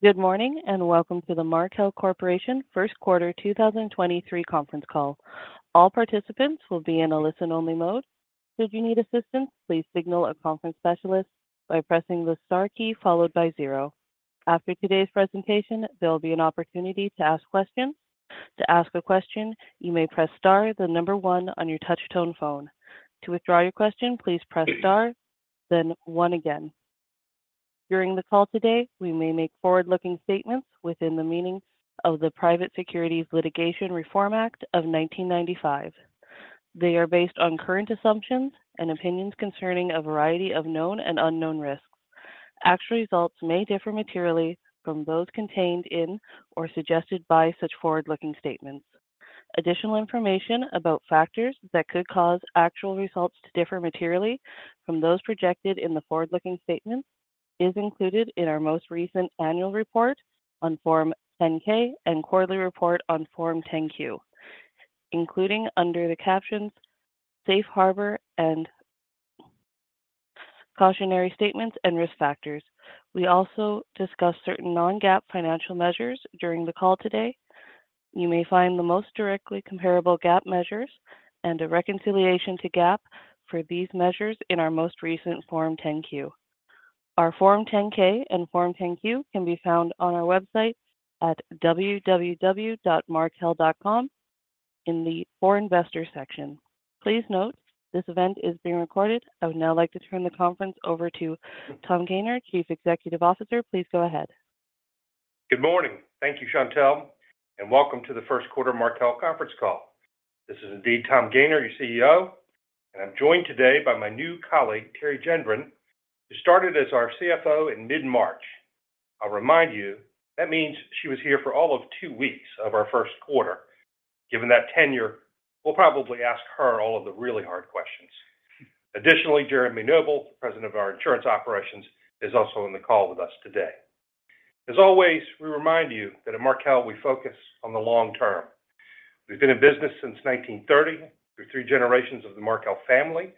Good morning, welcome to the Markel Corporation First Quarter 2023 Conference Call. All participants will be in a listen only mode. Should you need assistance, please signal a conference specialist by pressing the star key followed by zero. After today's presentation, there'll be an opportunity to ask questions. To ask a question, you may press star, the number one on your touch tone phone. To withdraw your question, please press star, then one again. During the call today, we may make forward-looking statements within the meaning of the Private Securities Litigation Reform Act of 1995. They are based on current assumptions and opinions concerning a variety of known and unknown risks. Actual results may differ materially from those contained in or suggested by such forward-looking statements. Additional information about factors that could cause actual results to differ materially from those projected in the forward-looking statements is included in our most recent annual report on Form 10-K and quarterly report on Form 10-Q, including under the captions, Safe Harbor and Cautionary Statements and Risk Factors. We also discuss certain non-GAAP financial measures during the call today. You may find the most directly comparable GAAP measures and a reconciliation to GAAP for these measures in our most recent Form 10-Q. Our Form 10-K and Form 10-Q can be found on our website at www.markel.com in the For Investors section. Please note, this event is being recorded. I would now like to turn the conference over to Tom Gayner, Chief Executive Officer. Please go ahead. Good morning. Thank you, Chantelle, welcome to the First Quarter Markel Conference Call. This is indeed Tom Gayner, your CEO, I'm joined today by my new colleague, Teri Gendron, who started as our CFO in mid-March. I'll remind you that means she was here for all of two weeks of our first quarter. Given that tenure, we'll probably ask her all of the really hard questions. Additionally, Jeremy Noble, President of our Insurance Operations, is also on the call with us today. As always, we remind you that at Markel we focus on the long term. We've been in business since 1930 through three generations of the Markel family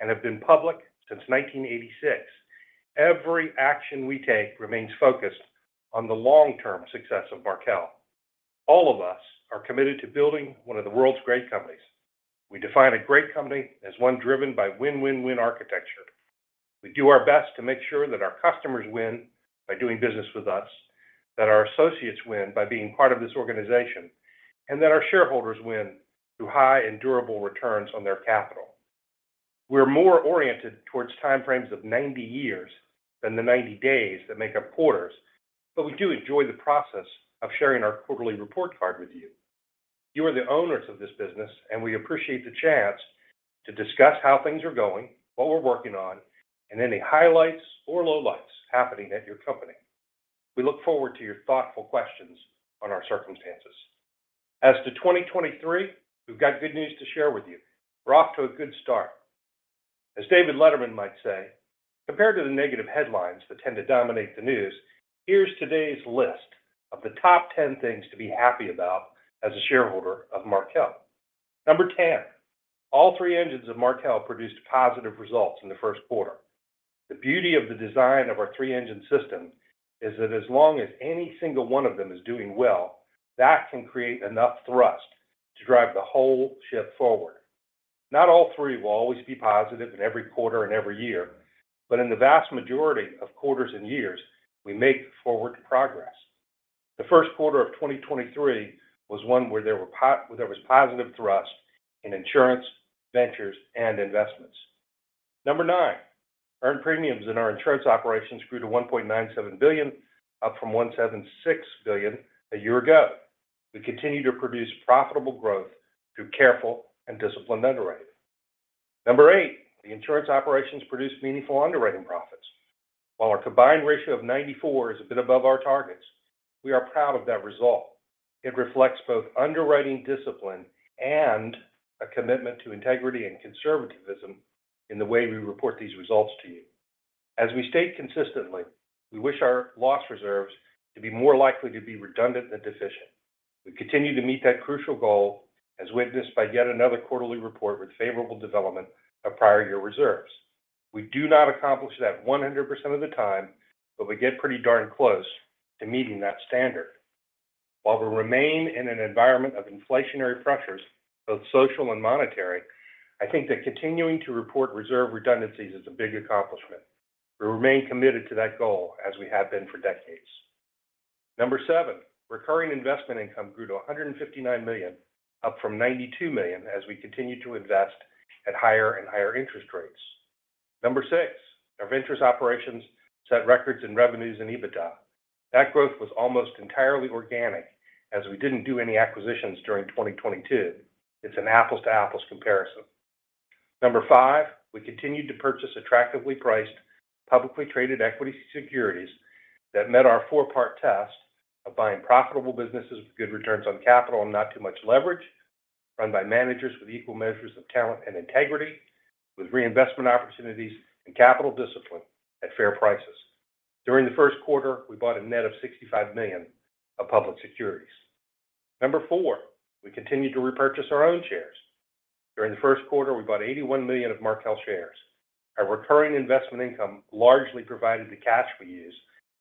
and have been public since 1986. Every action we take remains focused on the long-term success of Markel. All of us are committed to building one of the world's great companies. We define a great company as one driven by win-win-win architecture. We do our best to make sure that our customers win by doing business with us, that our associates win by being part of this organization, and that our shareholders win through high and durable returns on their capital. We're more oriented towards time frames of 90 years than the 90 days that make up quarters, but we do enjoy the process of sharing our quarterly report card with you. You are the owners of this business, and we appreciate the chance to discuss how things are going, what we're working on, and any highlights or lowlights happening at your company. We look forward to your thoughtful questions on our circumstances. As to 2023, we've got good news to share with you. We're off to a good start. As David Letterman might say, compared to the negative headlines that tend to dominate the news, here's today's list of the top 10 things to be happy about as a shareholder of Markel. Number 10, all three engines of Markel produced positive results in the first quarter. The beauty of the design of our three-engine system is that as long as any single one of them is doing well, that can create enough thrust to drive the whole ship forward. Not all three will always be positive in every quarter and every year, but in the vast majority of quarters and years, we make forward progress. The first quarter of 2023 was one where there was positive thrust in insurance, ventures, and investments. Number nine, earned premiums in our insurance operations grew to $1.97 billion, up from $1.76 billion a year ago. We continue to produce profitable growth through careful and disciplined underwriting. Number eight, the insurance operations produced meaningful underwriting profits. While our combined ratio of 94% is a bit above our targets, we are proud of that result. It reflects both underwriting discipline and a commitment to integrity and conservativism in the way we report these results to you. As we state consistently, we wish our loss reserves to be more likely to be redundant than deficient. We continue to meet that crucial goal as witnessed by yet another quarterly report with favorable development of prior year reserves. We do not accomplish that 100% of the time, but we get pretty darn close to meeting that standard. While we remain in an environment of inflationary pressures, both social and monetary, I think that continuing to report reserve redundancies is a big accomplishment. We remain committed to that goal as we have been for decades. Number seven, recurring investment income grew to $159 million, up from $92 million as we continue to invest at higher and higher interest rates. Number six, our ventures operations set records in revenues and EBITDA. That growth was almost entirely organic as we didn't do any acquisitions during 2022. It's an apples to apples comparison. Number five, we continued to purchase attractively priced, publicly traded equity securities that met our four-part test of buying profitable businesses with good returns on capital and not too much leverage, run by managers with equal measures of talent and integrity, with reinvestment opportunities and capital discipline at fair prices. During the first quarter, we bought a net of $65 million of public securities. Number four, we continued to repurchase our own shares. During the first quarter, we bought $81 million of Markel shares. Our recurring investment income largely provided the cash we use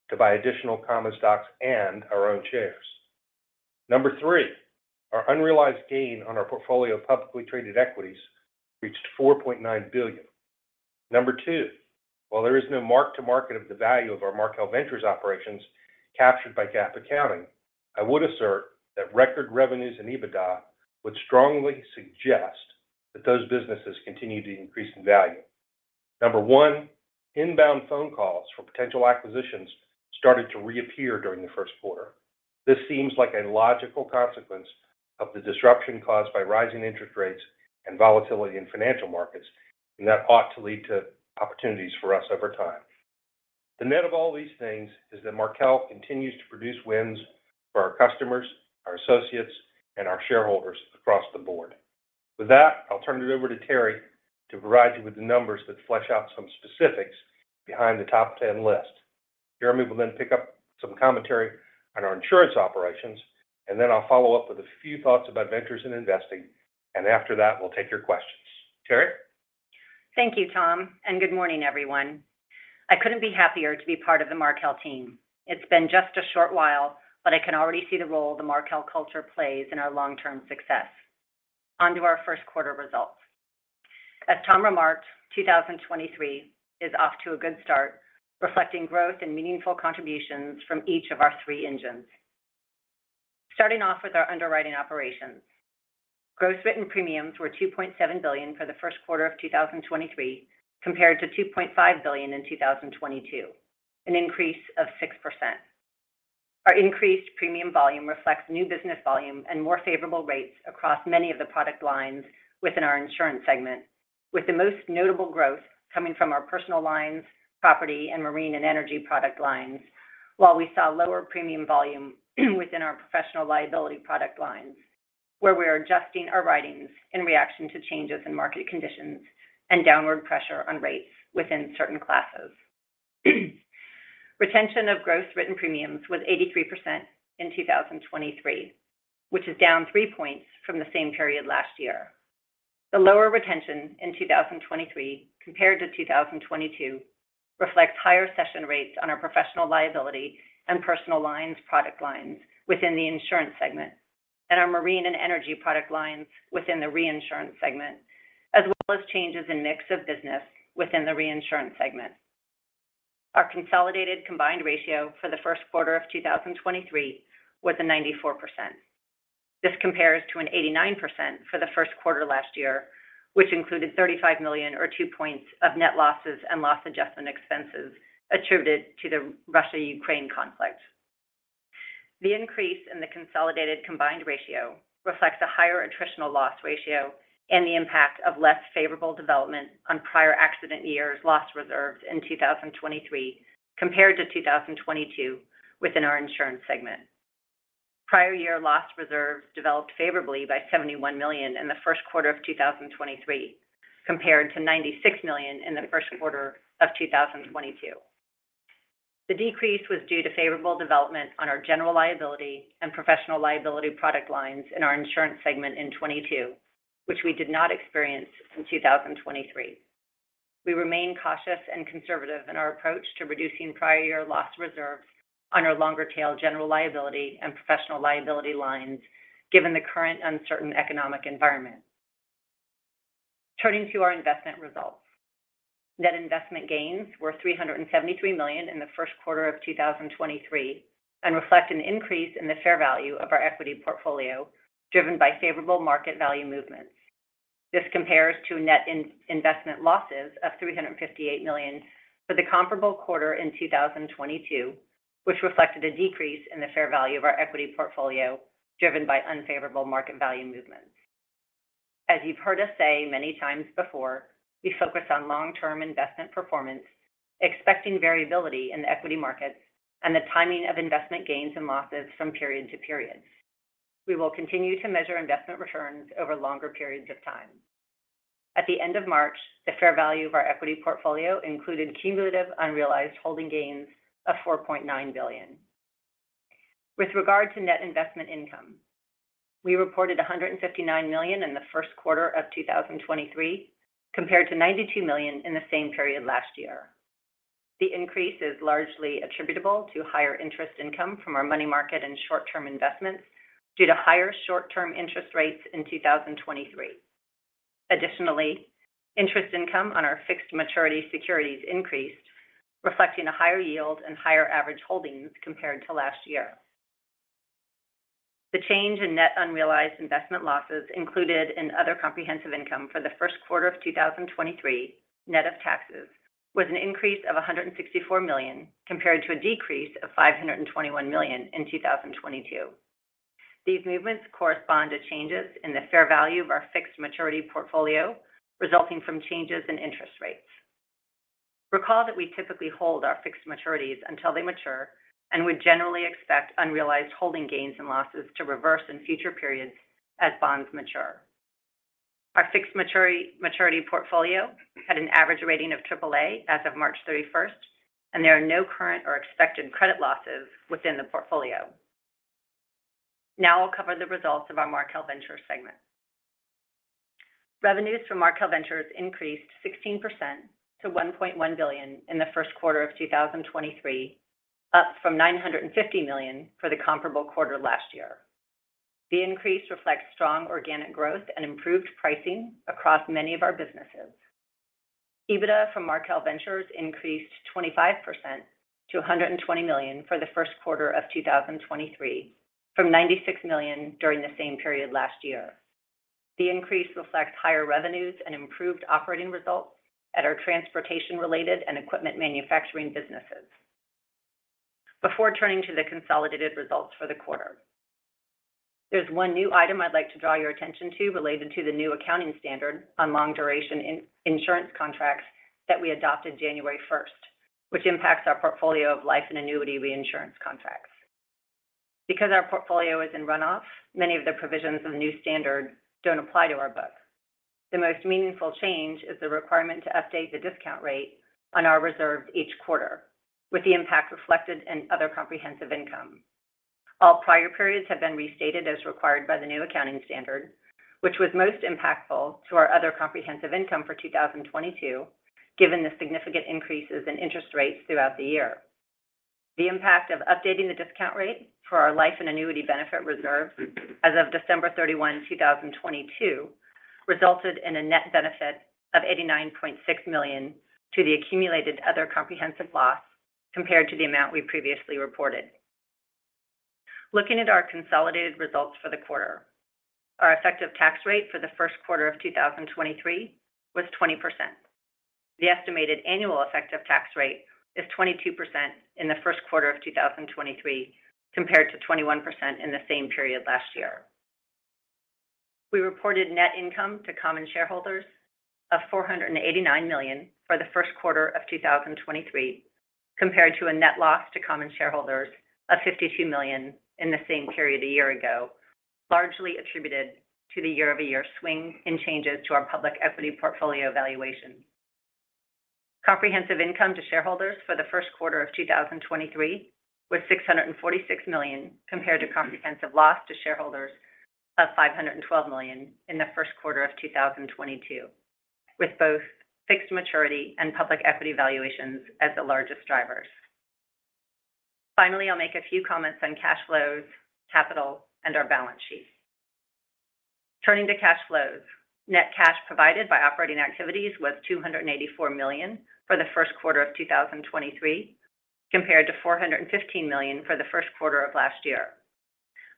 to buy additional common stocks and our own shares. Number three, our unrealized gain on our portfolio of publicly traded equities reached $4.9 billion. Number two, while there is no mark-to-market of the value of our Markel Ventures operations captured by GAAP accounting, I would assert that record revenues and EBITDA would strongly suggest that those businesses continue to increase in value. Number one, inbound phone calls for potential acquisitions started to reappear during the first quarter. This seems like a logical consequence of the disruption caused by rising interest rates and volatility in financial markets, that ought to lead to opportunities for us over time. The net of all these things is that Markel continues to produce wins for our customers, our associates, and our shareholders across the board. With that, I'll turn it over to Teri to provide you with the numbers that flesh out some specifics behind the top 10 list. Jeremy will then pick up some commentary on our insurance operations, then I'll follow up with a few thoughts about ventures and investing, after that, we'll take your questions. Teri? Thank you, Tom. Good morning, everyone. I couldn't be happier to be part of the Markel team. It's been just a short while, but I can already see the role the Markel culture plays in our long-term success. On to our first quarter results. As Tom remarked, 2023 is off to a good start, reflecting growth and meaningful contributions from each of our three engines. Starting off with our underwriting operations. Gross written premiums were $2.7 billion for the first quarter of 2023 compared to $2.5 billion in 2022, an increase of 6%. Our increased premium volume reflects new business volume and more favorable rates across many of the product lines within our insurance segment, with the most notable growth coming from our personal lines, property, and marine and energy product lines, while we saw lower premium volume within our professional liability product lines, where we are adjusting our writings in reaction to changes in market conditions and downward pressure on rates within certain classes. Retention of gross written premiums was 83% in 2023, which is down 3 points from the same period last year. The lower retention in 2023 compared to 2022 reflects higher session rates on our professional liability and personal lines product lines within the insurance segment and our marine and energy product lines within the reinsurance segment, as well as changes in mix of business within the reinsurance segment. Our consolidated combined ratio for the first quarter of 2023 was a 94%. This compares to an 89% for the first quarter last year, which included $35 million or 2 points of net losses and loss adjustment expenses attributed to the Russia-Ukraine conflict. The increase in the consolidated combined ratio reflects a higher attritional loss ratio and the impact of less favorable development on prior accident years' loss reserves in 2023 compared to 2022 within our insurance segment. Prior year loss reserves developed favorably by $71 million in the first quarter of 2023 compared to $96 million in the first quarter of 2022. The decrease was due to favorable development on our general liability and professional liability product lines in our insurance segment in 2022, which we did not experience in 2023. We remain cautious and conservative in our approach to reducing prior year loss reserves on our longer tail general liability and professional liability lines given the current uncertain economic environment. Turning to our investment results. Net investment gains were $373 million in the first quarter of 2023 and reflect an increase in the fair value of our equity portfolio driven by favorable market value movements. This compares to net investment losses of $358 million for the comparable quarter in 2022, which reflected a decrease in the fair value of our equity portfolio driven by unfavorable market value movements. As you've heard us say many times before, we focus on long-term investment performance, expecting variability in the equity markets and the timing of investment gains and losses from period to period. We will continue to measure investment returns over longer periods of time. At the end of March, the fair value of our equity portfolio included cumulative unrealized holding gains of $4.9 billion. With regard to net investment income, we reported $159 million in the first quarter of 2023 compared to $92 million in the same period last year. The increase is largely attributable to higher interest income from our money market and short-term investments due to higher short-term interest rates in 2023. Additionally, interest income on our fixed maturity securities increased, reflecting a higher yield and higher average holdings compared to last year. The change in net unrealized investment losses included in other comprehensive income for the first quarter of 2023, net of taxes, was an increase of $164 million compared to a decrease of $521 million in 2022. These movements correspond to changes in the fair value of our fixed maturity portfolio resulting from changes in interest rates. Recall that we typically hold our fixed maturities until they mature and would generally expect unrealized holding gains and losses to reverse in future periods as bonds mature. Our fixed maturity portfolio had an average rating of AAA as of March 31st, and there are no current or expected credit losses within the portfolio. Now I'll cover the results of our Markel Ventures segment. Revenues from Markel Ventures increased 16% to $1.1 billion in the first quarter of 2023, up from $950 million for the comparable quarter last year. The increase reflects strong organic growth and improved pricing across many of our businesses. EBITDA from Markel Ventures increased 25% to $120 million for the first quarter of 2023, from $96 million during the same period last year. The increase reflects higher revenues and improved operating results at our transportation-related and equipment manufacturing businesses. Before turning to the consolidated results for the quarter, there's one new item I'd like to draw your attention to related to the new accounting standard on long-duration insurance contracts that we adopted January first, which impacts our portfolio of life and annuity reinsurance contracts. Because our portfolio is in runoff, many of the provisions of the new standard don't apply to our book. The most meaningful change is the requirement to update the discount rate on our reserve each quarter, with the impact reflected in other comprehensive income. All prior periods have been restated as required by the new accounting standard, which was most impactful to our other comprehensive income for 2022, given the significant increases in interest rates throughout the year. The impact of updating the discount rate for our life and annuity benefit reserve as of December 31, 2022, resulted in a net benefit of $89.6 million to the accumulated other comprehensive loss compared to the amount we previously reported. Looking at our consolidated results for the quarter, our effective tax rate for the first quarter of 2023 was 20%. The estimated annual effective tax rate is 22% in the first quarter of 2023, compared to 21% in the same period last year. We reported net income to common shareholders of $489 million for the first quarter of 2023, compared to a net loss to common shareholders of $52 million in the same period a year ago, largely attributed to the year-over-year swing in changes to our public equity portfolio valuation. Comprehensive income to shareholders for the first quarter of 2023 was $646 million, compared to comprehensive loss to shareholders of $512 million in the first quarter of 2022, with both fixed maturity and public equity valuations as the largest drivers. Finally, I'll make a few comments on cash flows, capital, and our balance sheet. Turning to cash flows, net cash provided by operating activities was $284 million for the first quarter of 2023, compared to $415 million for the first quarter of last year.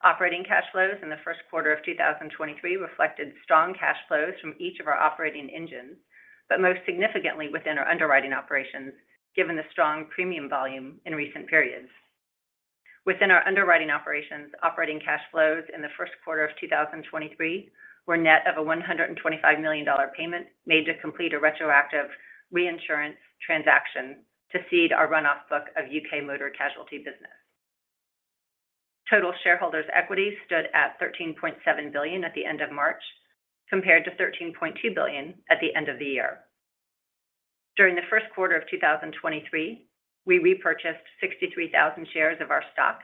Operating cash flows in the first quarter of 2023 reflected strong cash flows from each of our operating engines, but most significantly within our underwriting operations, given the strong premium volume in recent periods. Within our underwriting operations, operating cash flows in the first quarter of 2023 were net of a $125 million payment made to complete a retroactive reinsurance transaction to cede our run-off book of U.K. motor casualty business. Total shareholders' equity stood at $13.7 billion at the end of March, compared to $13.2 billion at the end of the year. During the first quarter of 2023, we repurchased 63,000 shares of our stock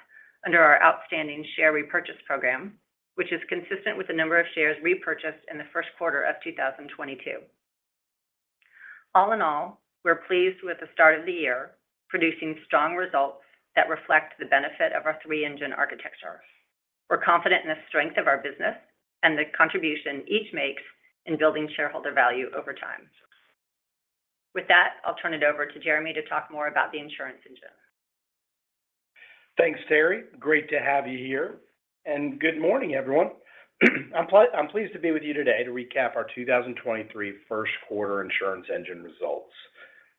under our outstanding share repurchase program, which is consistent with the number of shares repurchased in the first quarter of 2022. All in all, we're pleased with the start of the year, producing strong results that reflect the benefit of our three-engine architecture. We're confident in the strength of our business and the contribution each makes in building shareholder value over time. With that, I'll turn it over to Jeremy to talk more about the insurance engine. Thanks, Teri. Great to have you here, and good morning, everyone. I'm pleased to be with you today to recap our 2023 first quarter insurance engine results.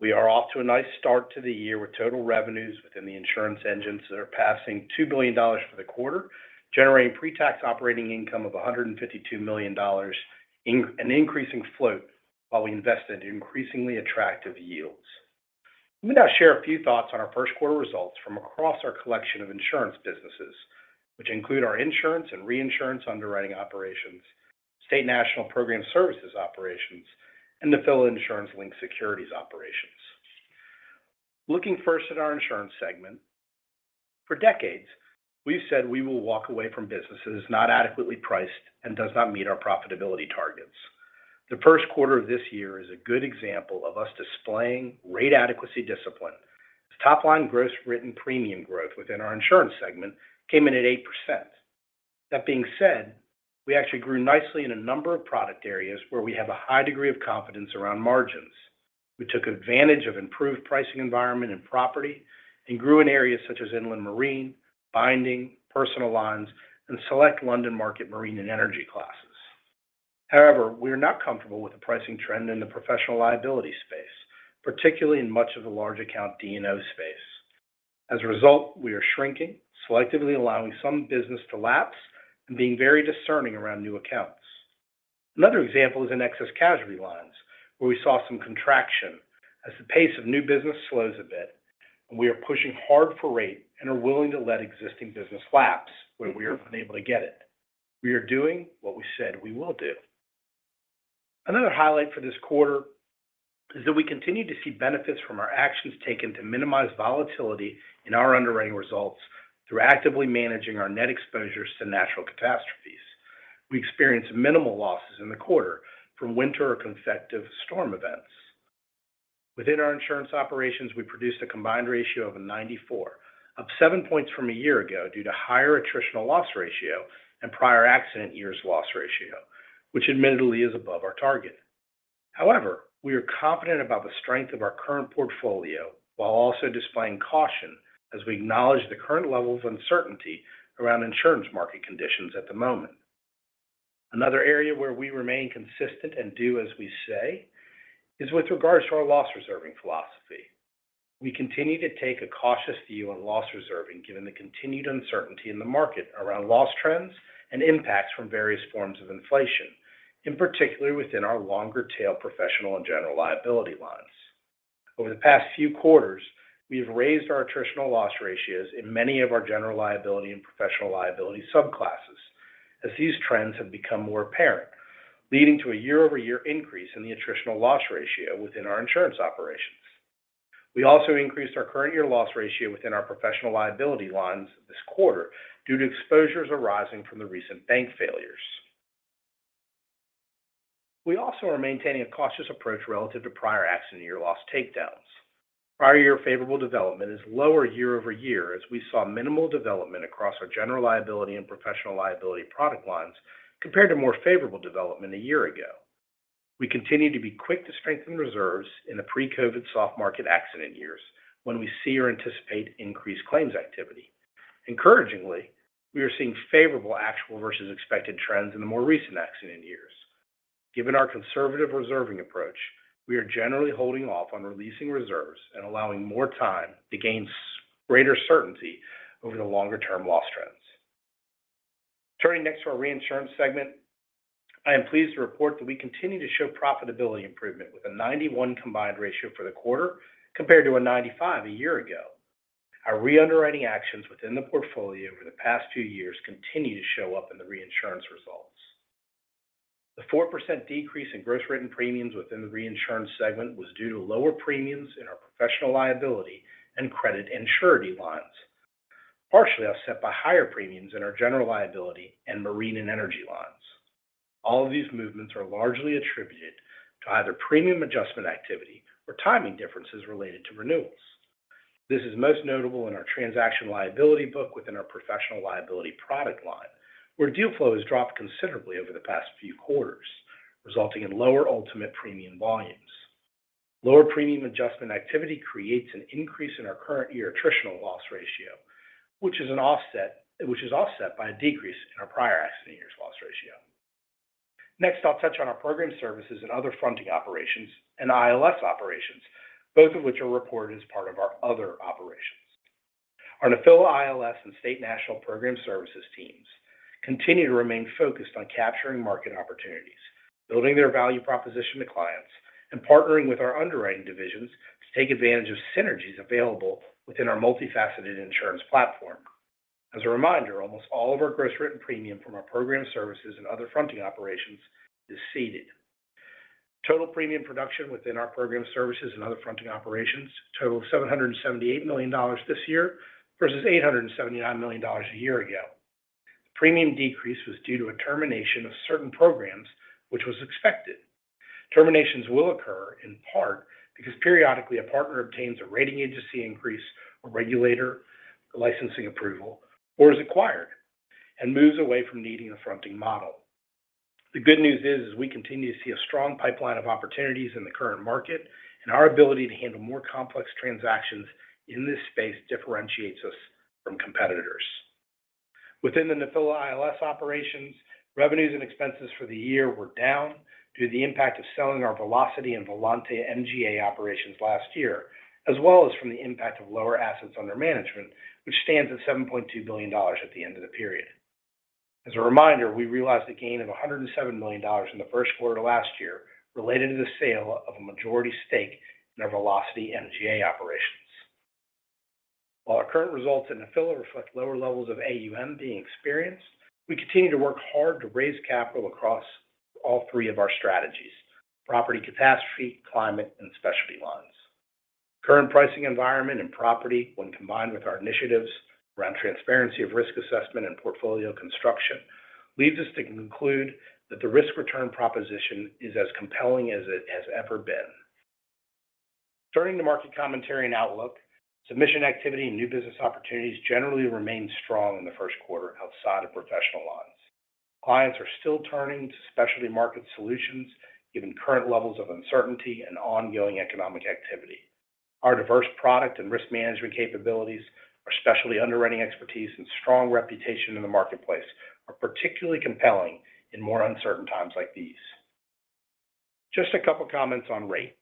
We are off to a nice start to the year with total revenues within the insurance engines that are passing $2 billion for the quarter, generating pre-tax operating income of $152 million an increasing float while we invest in increasingly attractive yields. Let me now share a few thoughts on our first quarter results from across our collection of insurance businesses, which include our insurance and reinsurance underwriting operations, State National program services operations, and the Nephila insurance-linked securities operations. Looking first at our insurance segment, for decades, we've said we will walk away from businesses not adequately priced and does not meet our profitability targets. The first quarter of this year is a good example of us displaying rate adequacy discipline. Top line gross written premium growth within our insurance segment came in at 8%. That being said, we actually grew nicely in a number of product areas where we have a high degree of confidence around margins. We took advantage of improved pricing environment and property and grew in areas such as inland marine, binding, personal lines, and select London Market marine and energy classes. We are not comfortable with the pricing trend in the professional liability space, particularly in much of the large account D&O space. As a result, we are shrinking, selectively allowing some business to lapse and being very discerning around new accounts. Another example is in excess casualty lines, where we saw some contraction as the pace of new business slows a bit and we are pushing hard for rate and are willing to let existing business lapse where we are unable to get it. We are doing what we said we will do. Another highlight for this quarter is that we continue to see benefits from our actions taken to minimize volatility in our underwriting results through actively managing our net exposures to natural catastrophes. We experienced minimal losses in the quarter from winter or convective storm events. Within our insurance operations, we produced a combined ratio of 94%, up 7 points from a year ago due to higher attritional loss ratio and prior accident years loss ratio, which admittedly is above our target. However, we are confident about the strength of our current portfolio while also displaying caution as we acknowledge the current levels of uncertainty around insurance market conditions at the moment. Another area where we remain consistent and do as we say is with regards to our loss reserving philosophy. We continue to take a cautious view on loss reserving, given the continued uncertainty in the market around loss trends and impacts from various forms of inflation, in particular within our longer tail professional and general liability lines. Over the past few quarters, we have raised our attritional loss ratios in many of our general liability and professional liability subclasses as these trends have become more apparent, leading to a year-over-year increase in the attritional loss ratio within our insurance operations. We also increased our current year loss ratio within our professional liability lines this quarter due to exposures arising from the recent bank failures. We also are maintaining a cautious approach relative to prior accident year loss takedowns. Prior year favorable development is lower year-over-year as we saw minimal development across our general liability and professional liability product lines compared to more favorable development a year ago. We continue to be quick to strengthen reserves in the pre-COVID soft market accident years when we see or anticipate increased claims activity. Encouragingly, we are seeing favorable actual versus expected trends in the more recent accident years. Given our conservative reserving approach, we are generally holding off on releasing reserves and allowing more time to gain greater certainty over the longer-term loss trends. Turning next to our reinsurance segment, I am pleased to report that we continue to show profitability improvement with a 91% combined ratio for the quarter compared to a 95% a year ago. Our re-underwriting actions within the portfolio over the past two years continue to show up in the reinsurance results. The 4% decrease in gross written premiums within the reinsurance segment was due to lower premiums in our professional liability and credit and surety lines, partially offset by higher premiums in our general liability and marine and energy lines. All of these movements are largely attributed to either premium adjustment activity or timing differences related to renewals. This is most notable in our transaction liability book within our professional liability product line, where deal flow has dropped considerably over the past few quarters, resulting in lower ultimate premium volumes. Lower premium adjustment activity creates an increase in our current year attritional loss ratio, which is offset by a decrease in our prior accident years' loss ratio. I'll touch on our program services and other fronting operations and ILS operations, both of which are reported as part of our other operations. Our Nephila ILS and State National program services teams continue to remain focused on capturing market opportunities, building their value proposition to clients and partnering with our underwriting divisions to take advantage of synergies available within our multifaceted insurance platform. As a reminder, almost all of our gross written premium from our program services and other fronting operations is ceded. Total premium production within our program services and other fronting operations totaled $778 million this year versus $879 million a year ago. The premium decrease was due to a termination of certain programs, which was expected. Terminations will occur in part because periodically a partner obtains a rating agency increase or regulator licensing approval, or is acquired and moves away from needing a fronting model. The good news is we continue to see a strong pipeline of opportunities in the current market, and our ability to handle more complex transactions in this space differentiates us from competitors. Within the Nephila ILS operations, revenues and expenses for the year were down due to the impact of selling our Velocity and Volante MGA operations last year, as well as from the impact of lower assets under management, which stands at $7.2 billion at the end of the period. As a reminder, we realized a gain of $107 million in the first quarter last year related to the sale of a majority stake in our Velocity MGA operations. While our current results in Nephila reflect lower levels of AUM being experienced, we continue to work hard to raise capital across all three of our strategies: property catastrophe, climate, and specialty lines. Current pricing environment and property, when combined with our initiatives around transparency of risk assessment and portfolio construction, leaves us to conclude that the risk-return proposition is as compelling as it has ever been. Turning to market commentary and outlook, submission activity and new business opportunities generally remained strong in the first quarter outside of professional lines. Clients are still turning to specialty market solutions, given current levels of uncertainty and ongoing economic activity. Our diverse product and risk management capabilities, our specialty underwriting expertise, and strong reputation in the marketplace are particularly compelling in more uncertain times like these. Just a couple of comments on rate.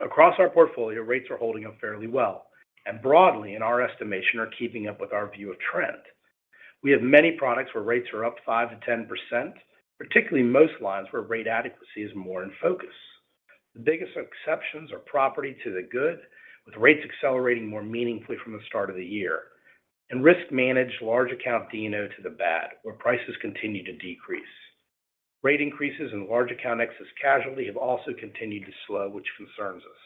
Across our portfolio, rates are holding up fairly well and broadly, in our estimation, are keeping up with our view of trend. We have many products where rates are up 5%-10%, particularly most lines where rate adequacy is more in focus. The biggest exceptions are property to the good, with rates accelerating more meaningfully from the start of the year, and risk-managed large account D&O to the bad, where prices continue to decrease. Rate increases in large account excess casualty have also continued to slow, which concerns us.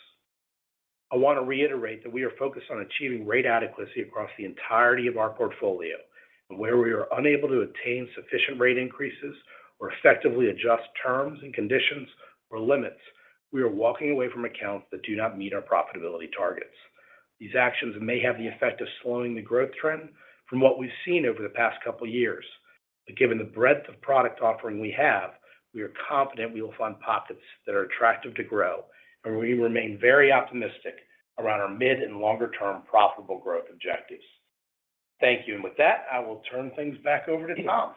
I want to reiterate that we are focused on achieving rate adequacy across the entirety of our portfolio, and where we are unable to attain sufficient rate increases or effectively adjust terms and conditions or limits, we are walking away from accounts that do not meet our profitability targets. These actions may have the effect of slowing the growth trend from what we've seen over the past couple years. Given the breadth of product offering we have, we are confident we will find pockets that are attractive to grow, and we remain very optimistic around our mid and longer term profitable growth objectives. Thank you. With that, I will turn things back over to Tom.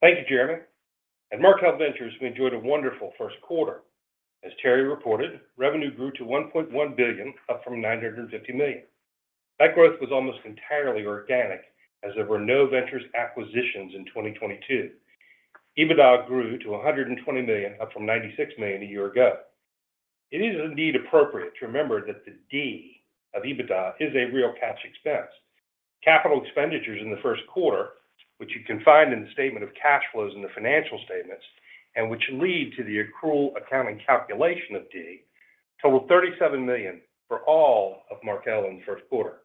Thank you, Jeremy. At Markel Ventures, we enjoyed a wonderful first quarter. As Teri reported, revenue grew to $1.1 billion, up from $950 million. That growth was almost entirely organic as there were no Ventures acquisitions in 2022. EBITDA grew to $120 million, up from $96 million a year ago. It is indeed appropriate to remember that the Depreciation of EBITDA is a real cash expense. Capital expenditures in the first quarter, which you can find in the statement of cash flows in the financial statements and which lead to the accrual accounting calculation of Depreciation, totaled $37 million for all of Markel in the first quarter.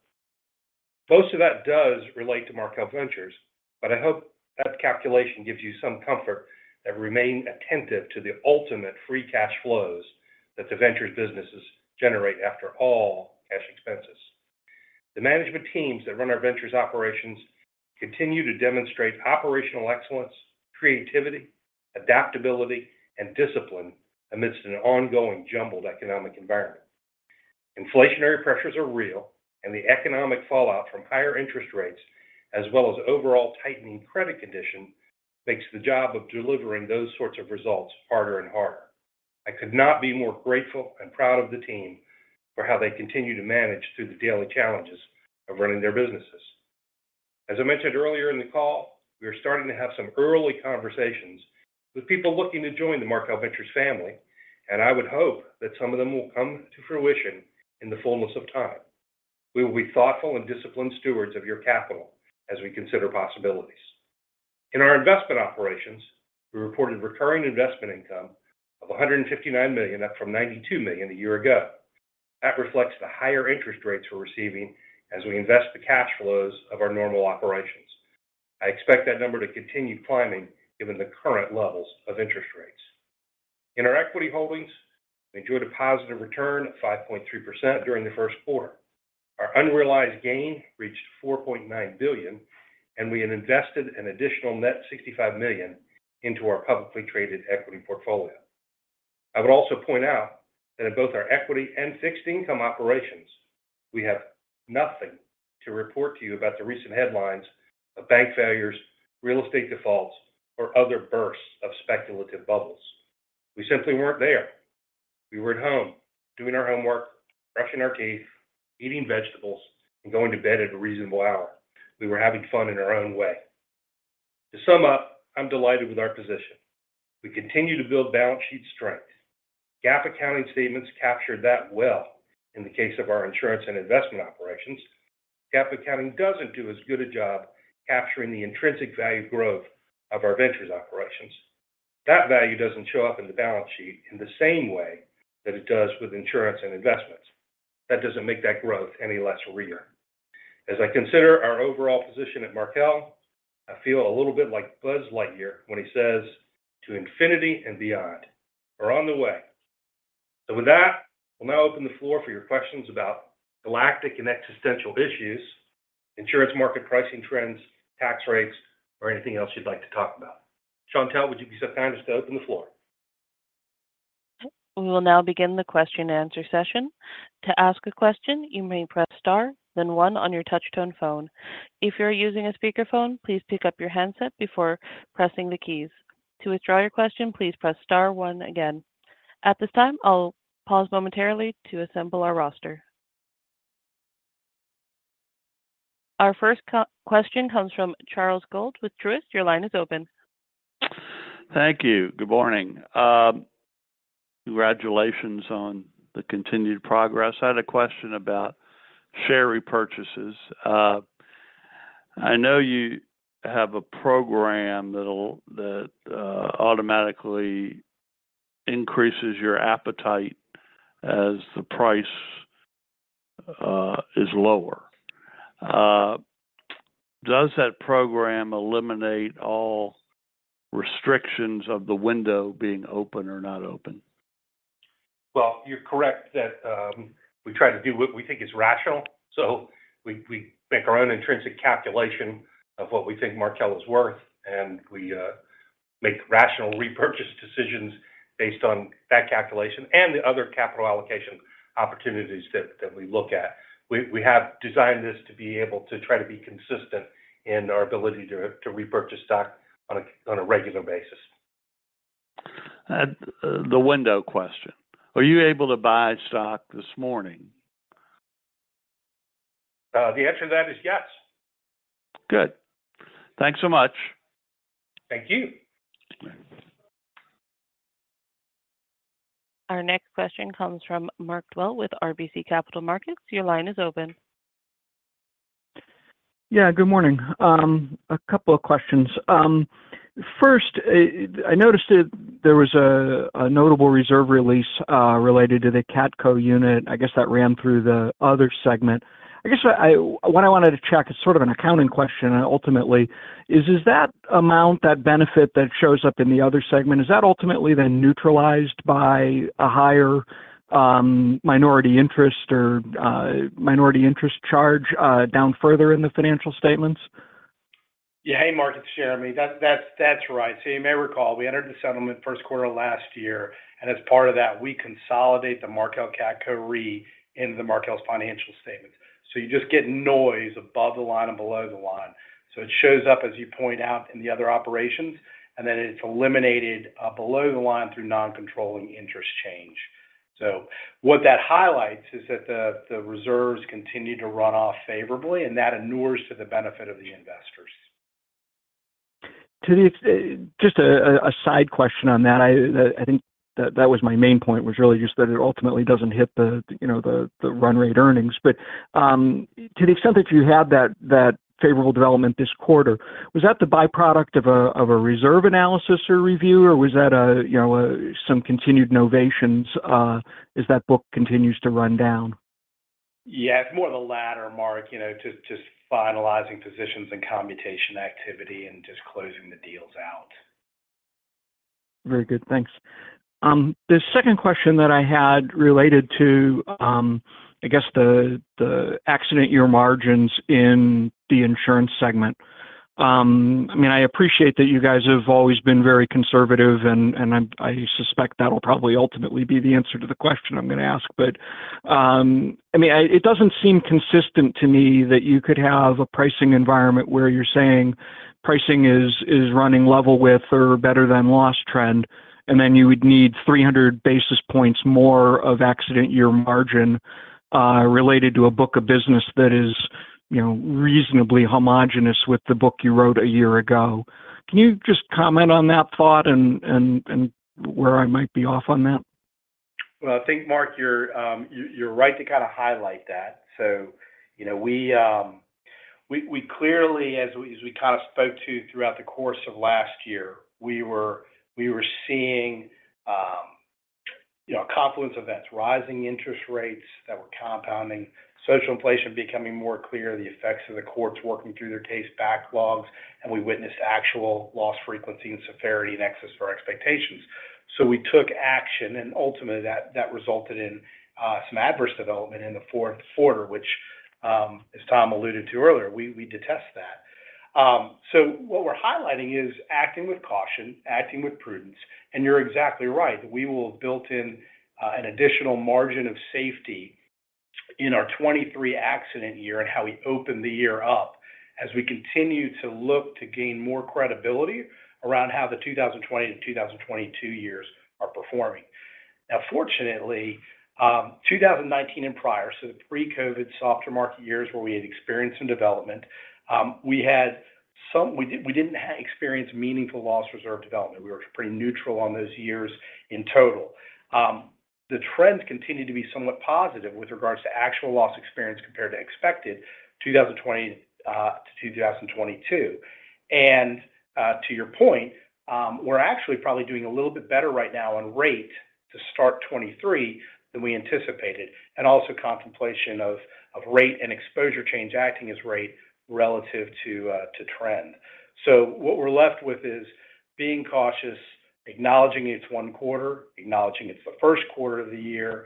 Most of that does relate to Markel Ventures, but I hope that calculation gives you some comfort that remain attentive to the ultimate free cash flows that the ventures businesses generate after all cash expenses. The management teams that run our ventures operations continue to demonstrate operational excellence, creativity, adaptability, and discipline amidst an ongoing jumbled economic environment. Inflationary pressures are real, and the economic fallout from higher interest rates, as well as overall tightening credit condition, makes the job of delivering those sorts of results harder and harder. I could not be more grateful and proud of the team for how they continue to manage through the daily challenges of running their businesses. As I mentioned earlier in the call, we are starting to have some early conversations with people looking to join the Markel Ventures family, and I would hope that some of them will come to fruition in the fullness of time. We will be thoughtful and disciplined stewards of your capital as we consider possibilities. In our investment operations, we reported recurring investment income of $159 million, up from $92 million a year ago. That reflects the higher interest rates we're receiving as we invest the cash flows of our normal operations. I expect that number to continue climbing given the current levels of interest rates. In our equity holdings, we enjoyed a positive return of 5.3% during the first quarter. Our unrealized gain reached $4.9 billion, and we had invested an additional net $65 million into our publicly traded equity portfolio. I would also point out that in both our equity and fixed income operations, we have nothing to report to you about the recent headlines of bank failures, real estate defaults, or other bursts of speculative bubbles. We simply weren't there. We were at home doing our homework, brushing our teeth, eating vegetables, and going to bed at a reasonable hour. We were having fun in our own way. To sum up, I'm delighted with our position. We continue to build balance sheet strength. GAAP accounting statements captured that well in the case of our insurance and investment operations. GAAP accounting doesn't do as good a job capturing the intrinsic value growth of our ventures operations. That value doesn't show up in the balance sheet in the same way that it does with insurance and investments. That doesn't make that growth any less real. As I consider our overall position at Markel, I feel a little bit like Buzz Lightyear when he says, "To infinity and beyond." We're on the way. With that, we'll now open the floor for your questions about galactic and existential issues, insurance market pricing trends, tax rates, or anything else you'd like to talk about. Chantelle, would you be so kind as to open the floor? We will now begin the question-and-answer session. To ask a question, you may press star, then one on your touch-tone phone. If you are using a speakerphone, please pick up your handset before pressing the keys. To withdraw your question, please press star one again. At this time, I'll pause momentarily to assemble our roster. Our first question comes from Charles Gold with Truist. Your line is open. Thank you. Good morning. Congratulations on the continued progress. I had a question about share repurchases. I know you have a program that automatically increases your appetite as the price is lower. Does that program eliminate all restrictions of the window being open or not open? You're correct that we try to do what we think is rational. We make our own intrinsic calculation of what we think Markel is worth, and we make rational repurchase decisions based on that calculation and the other capital allocation opportunities that we look at. We have designed this to be able to try to be consistent in our ability to repurchase stock on a regular basis. The window question, are you able to buy stock this morning? The answer to that is yes. Good. Thanks so much. Thank you. Our next question comes from Mark Dwelle with RBC Capital Markets. Your line is open. Yeah, good morning. A couple of questions. First, I noticed that there was a notable reserve release related to the CATCo unit. I guess that ran through the other segment. I guess what I wanted to check is sort of an accounting question ultimately is that amount, that benefit that shows up in the other segment, is that ultimately then neutralized by a higher minority interest or minority interest charge down further in the financial statements? Yeah. Hey, Mark, it's Jeremy. That's right. You may recall we entered the settlement first quarter of last year, and as part of that, we consolidate the Markel CATCo Re into the Markel's financial statements. You just get noise above the line and below the line. It shows up, as you point out, in the other operations, and then it's eliminated below the line through non-controlling interest change. What that highlights is that the reserves continue to run off favorably, and that inures to the benefit of the investors. Just a side question on that. I think that that was my main point was really just that it ultimately doesn't hit you know, the run rate earnings. To the extent that you had that favorable development this quarter, was that the byproduct of a reserve analysis or review, or was that you know, some continued novations as that book continues to run down? Yeah, it's more the latter Mark, you know, just finalizing positions and commutation activity and just closing the deals out. Very good. Thanks. The second question that I had related to, I guess the accident year margins in the insurance segment. I mean, I appreciate that you guys have always been very conservative and I'm, I suspect that'll probably ultimately be the answer to the question I'm gonna ask. I mean, it doesn't seem consistent to me that you could have a pricing environment where you're saying pricing is running level with or better than loss trend, and then you would need 300 basis points more of accident year margin related to a book of business that is, you know, reasonably homogenous with the book you wrote a year ago. Can you just comment on that thought and where I might be off on that? Well, I think, Mark, you're right to kind of highlight that. You know, we clearly as we kind of spoke to throughout the course of last year, we were seeing, you know, confluence events, rising interest rates that were compounding, social inflation becoming more clear, the effects of the courts working through their case backlogs, and we witnessed actual loss frequency and severity in excess of our expectations. We took action, and ultimately that resulted in some adverse development in the fourth quarter, which, as Tom alluded to earlier, we detest that. What we're highlighting is acting with caution, acting with prudence. You're exactly right. We will built in an additional margin of safety in our 2023 accident year and how we open the year up as we continue to look to gain more credibility around how the 2020-2022 years are performing. Fortunately, 2019 and prior, so the pre-COVID softer market years where we had experienced some development, we had some... We didn't experience meaningful loss reserve development. We were pretty neutral on those years in total. The trends continue to be somewhat positive with regards to actual loss experience compared to expected 2020-2022. To your point, we're actually probably doing a little bit better right now on rate to start 2023 than we anticipated, and also contemplation of rate and exposure change acting as rate relative to trend. What we're left with is being cautious, acknowledging it's one quarter, acknowledging it's the first quarter of the year,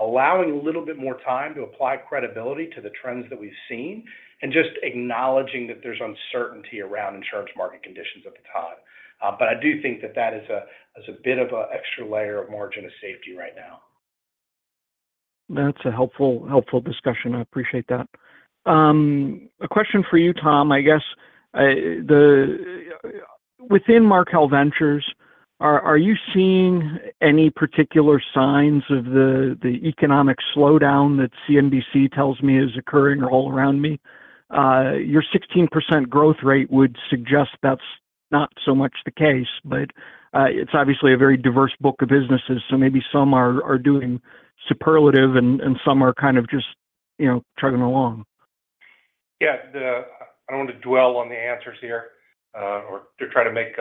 allowing a little bit more time to apply credibility to the trends that we've seen, and just acknowledging that there's uncertainty around insurance market conditions at the time. I do think that that is a, is a bit of a extra layer of margin of safety right now. That's a helpful discussion. I appreciate that. A question for you, Tom. I guess, within Markel Ventures, are you seeing any particular signs of the economic slowdown that CNBC tells me is occurring all around me? Your 16% growth rate would suggest that's not so much the case, but it's obviously a very diverse book of businesses, so maybe some are doing superlative and some are kind of just, you know, chugging along. Yeah. The, I don't want to dwell on the answers here, or to try to make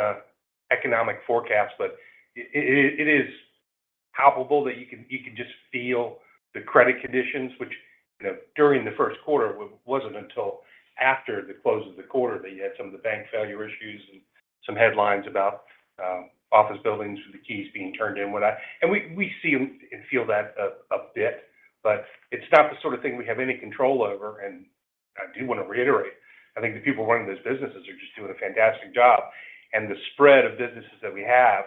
economic forecasts, but it is palpable that you can just feel the credit conditions, which, you know, during the first quarter wasn't until after the close of the quarter that you had some of the bank failure issues and some headlines about office buildings with the keys being turned in. We see and feel that a bit, but it's not the sort of thing we have any control over. I do want to reiterate, I think the people running those businesses are just doing a fantastic job. The spread of businesses that we have,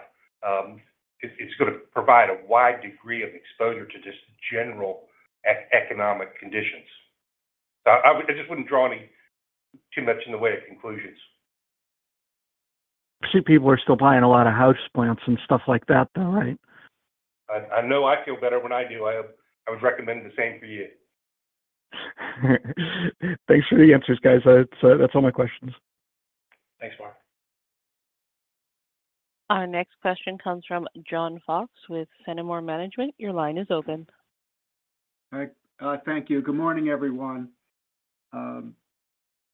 it's gonna provide a wide degree of exposure to just general economic conditions. I just wouldn't draw any too much in the way of conclusions. I see people are still buying a lot of house plants and stuff like that though, right? I know I feel better when I do. I would recommend the same for you. Thanks for the answers, guys. That's all my questions. Thanks, Mark. Our next question comes from John Fox with Fenimore Asset Management. Your line is open. All right. thank you. Good morning, everyone.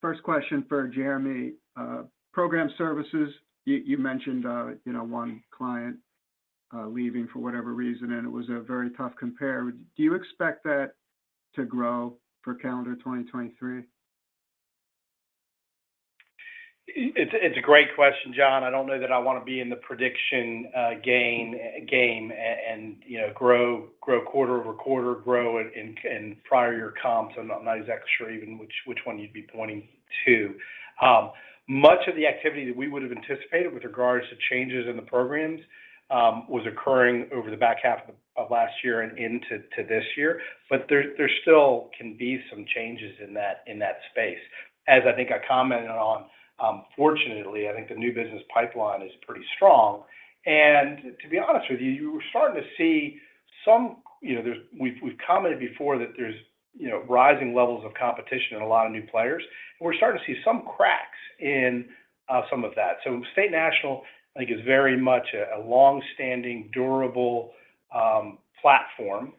first question for Jeremy. program services, you mentioned, you know, one client leaving for whatever reason, and it was a very tough compare. Do you expect that to grow for calendar 2023? It's a great question, John. I don't know that I want to be in the prediction game and, you know, grow quarter-over-quarter, grow in prior year comps. I'm not as extra even which one you'd be pointing to. Much of the activity that we would've anticipated with regards to changes in the programs was occurring over the back half of last year and into this year. There still can be some changes in that space. As I think I commented on, fortunately, I think the new business pipeline is pretty strong. To be honest with you were starting to see some... You know, we've commented before that there's, you know, rising levels of competition and a lot of new players, and we're starting to see some cracks in some of that. State National, I think, is very much a longstanding durable platform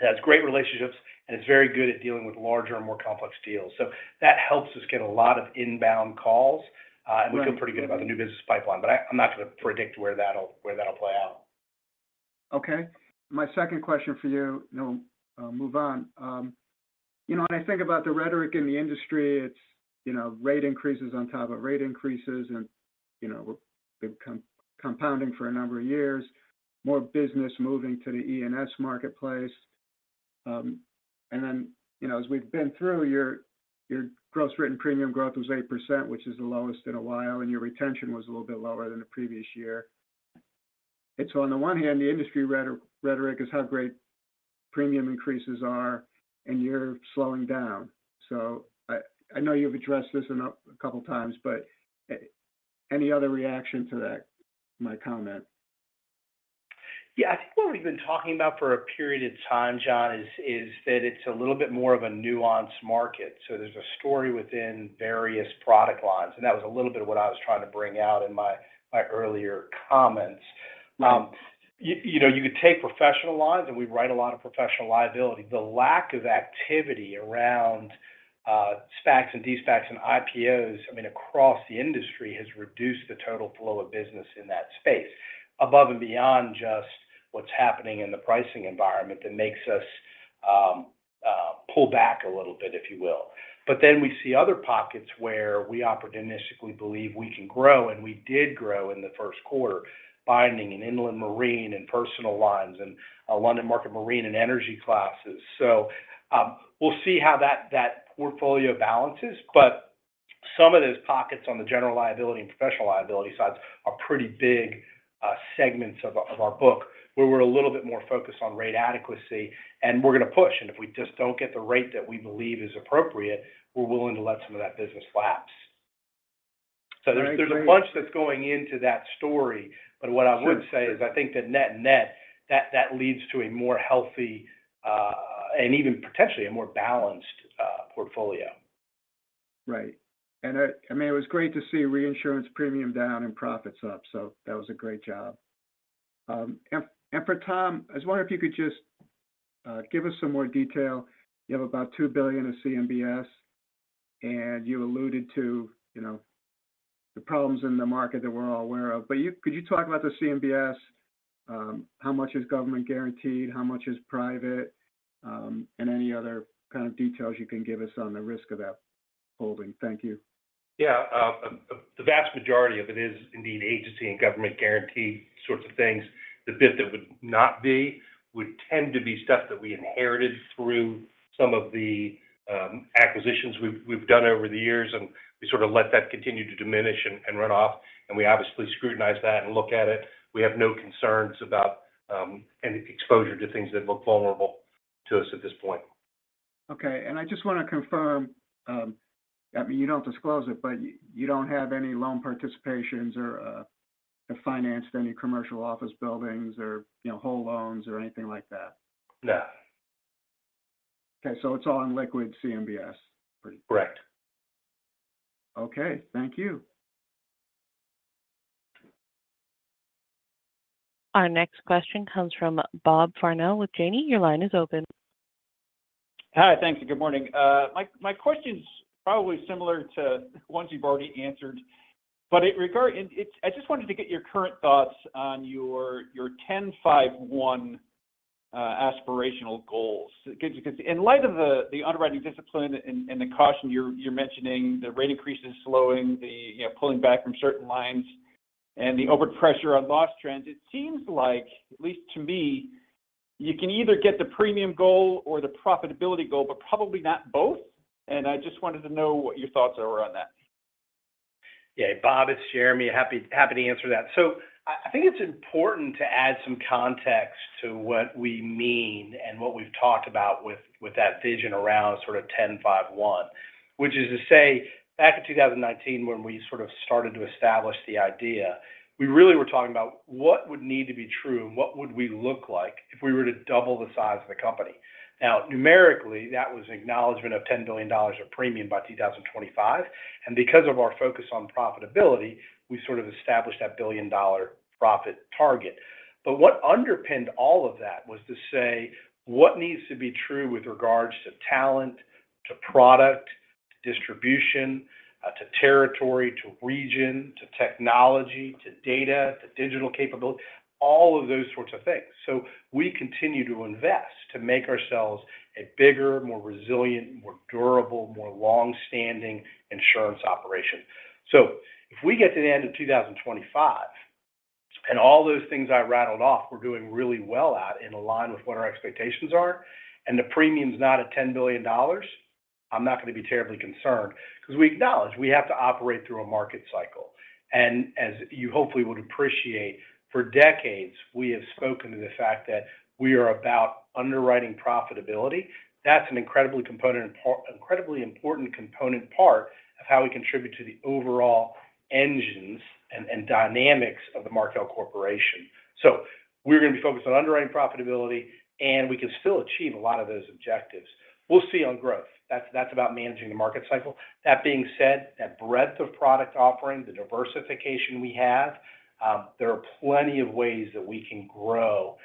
that has great relationships, and it's very good at dealing with larger and more complex deals. That helps us get a lot of inbound calls. Right. We feel pretty good about the new business pipeline. I'm not gonna predict where that'll play out. Okay. My second question for you, then we'll move on. You know, when I think about the rhetoric in the industry, it's, you know, rate increases on top of rate increases and, you know, we've compounding for a number of years, more business moving to the E&S marketplace. You know, as we've been through, your gross written premium growth was 8%, which is the lowest in a while, and your retention was a little bit lower than the previous year. On the one hand, the industry rhetoric is how great premium increases are, and you're slowing down. I know you've addressed this a couple times, but any other reaction to that, my comment? Yeah. I think what we've been talking about for a period of time, John, is that it's a little bit more of a nuanced market. There's a story within various product lines, and that was a little bit of what I was trying to bring out in my earlier comments. You know, you could take professional lines, and we write a lot of professional liability. The lack of activity around SPACs and de-SPACs and IPOs, I mean, across the industry, has reduced the total flow of business in that space above and beyond just what's happening in the pricing environment that makes us pull back a little bit, if you will. We see other pockets where we opportunistically believe we can grow, and we did grow in the first quarter, binding and inland marine and personal lines and London market marine and energy classes. We'll see how that portfolio balances, but some of those pockets on the general liability and professional liability sides are pretty big segments of our book, where we're a little bit more focused on rate adequacy, and we're gonna push. If we just don't get the rate that we believe is appropriate, we're willing to let some of that business lapse. All right, great. There's a bunch that's going into that story. What I would say. Sure. Sure. -is I think that net-net, that leads to a more healthy, and even potentially a more balanced portfolio. Right. I mean, it was great to see reinsurance premium down and profits up, that was a great job. For Tom, I was wondering if you could just give us some more detail. You have about $2 billion of CMBS, and you alluded to, you know, the problems in the market that we're all aware of. could you talk about the CMBS? How much is government guaranteed? How much is private? And any other kind of details you can give us on the risk of that holding. Thank you. The vast majority of it is indeed agency and government guaranteed sorts of things. The bit that would not be would tend to be stuff that we inherited through some of the acquisitions we've done over the years, and we sort of let that continue to diminish and run off, and we obviously scrutinize that and look at it. We have no concerns about any exposure to things that look vulnerable to us at this point. Okay. I just wanna confirm, I mean, you don't disclose it, but you don't have any loan participations or, have financed any commercial office buildings or, you know, whole loans or anything like that? No. Okay. It's all in liquid CMBS pretty much. Correct. Okay. Thank you. Our next question comes from Bob Farnam with Janney. Your line is open. Hi. Thank you. Good morning. My question's probably similar to ones you've already answered, but it's I just wanted to get your current thoughts on your 10-5-1 aspirational goals. Because in light of the underwriting discipline and the caution you're mentioning, the rate increase is slowing, you know, pulling back from certain lines and the upward pressure on loss trends, it seems like, at least to me, you can either get the premium goal or the profitability goal, but probably not both. I just wanted to know what your thoughts are around that. Yeah. Bob, it's Jeremy. Happy to answer that. I think it's important to add some context to what we mean and what we've talked about with that vision around sort of 10-5-1. Which is to say, back in 2019 when we sort of started to establish the idea, we really were talking about what would need to be true and what would we look like if we were to double the size of the company. Now numerically, that was acknowledgment of $10 billion of premium by 2025. Because of our focus on profitability, we sort of established that billion-dollar profit target. What underpinned all of that was to say, what needs to be true with regards to talent, to product, to distribution, to territory, to region, to technology, to data, to digital capability, all of those sorts of things. We continue to invest to make ourselves a bigger, more resilient, more durable, more long-standing insurance operation. If we get to the end of 2025, and all those things I rattled off we're doing really well at in align with what our expectations are, and the premium's not at $10 billion, I'm not gonna be terribly concerned because we acknowledge we have to operate through a market cycle. As you hopefully would appreciate, for decades we have spoken to the fact that we are about underwriting profitability. That's an incredibly important component part of how we contribute to the overall engines and dynamics of the Markel Corporation. We're going to be focused on underwriting profitability. We can still achieve a lot of those objectives. We'll see on growth. That's about managing the market cycle. That being said, that breadth of product offering, the diversification we have, there are plenty of ways that we can grow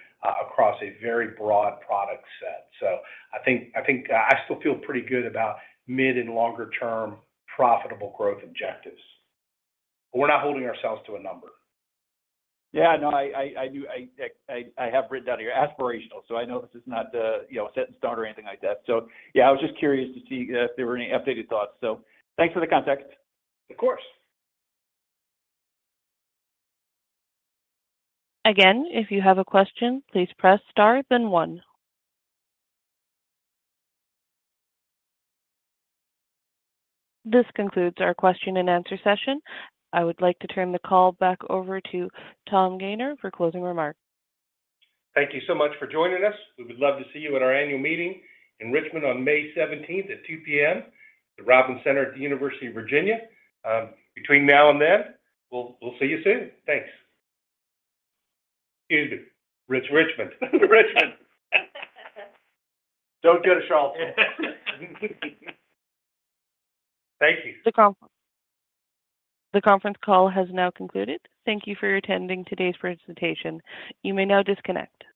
across a very broad product set. I think I still feel pretty good about mid and longer term profitable growth objectives. We're not holding ourselves to a number. Yeah, no, I do. I have written down here aspirational, so I know this is not a, you know, set in stone or anything like that. Yeah, I was just curious to see if there were any updated thoughts. Thanks for the context. Of course. If you have a question, please press star then one. This concludes our question-and-answer session. I would like to turn the call back over to Tom Gayner for closing remarks. Thank you so much for joining us. We would love to see you at our annual meeting in Richmond on May 17th at 2:00 P.M. at the Robins Center at the University of Richmond. Between now and then, we'll see you soon. Thanks. Excuse me. Richmond. Don't go to Charlottesville. Thank you. The conference call has now concluded. Thank you for your attending today's presentation. You may now disconnect.